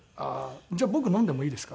じゃあ僕飲んでもいいですか？